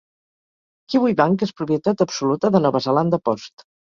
Kiwibank és propietat absoluta de Nova Zelanda Post.